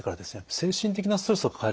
精神的なストレスを抱える方